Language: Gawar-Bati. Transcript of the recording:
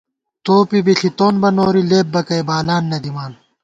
توپے بی ݪِتون بہ نوری لېپ بَکَئ بالان نہ دِمان